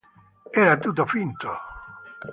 Era tutto finto.